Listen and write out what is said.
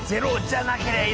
０じゃなけりゃ。